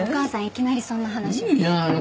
いきなりそんな話は。